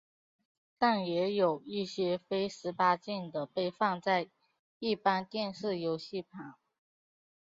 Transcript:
但也有一些非十八禁的被放在一般电视游戏旁。